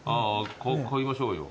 買いましょうよ。